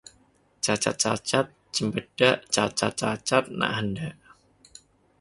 Cacat-cacat cempedak, cacat-cacat nak hendak